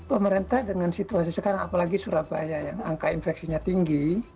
pemerintah dengan situasi sekarang apalagi surabaya yang angka infeksinya tinggi